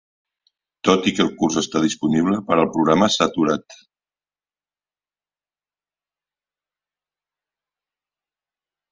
Tot i que el curs està disponible, per al programa s'ha aturat.